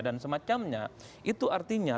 dan semacamnya itu artinya